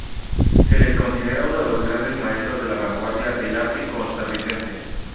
Se le considera uno de los grandes maestros de la vanguardia del arte costarricense.